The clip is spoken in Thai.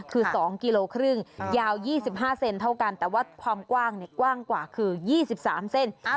คือ๒กิโลครึ่งยาว๒๕เซนเท่ากันแต่ว่าความกว้างเนี่ยกว้างกว่าคือ๒๓เซน